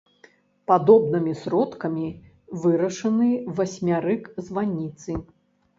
Падобнымі сродкамі вырашаны васьмярык званіцы.